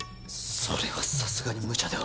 それはさすがにむちゃでは？